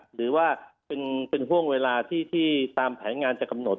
หรือว่าเป็นห่วงเวลาที่ตามแผนงานจะกำหนด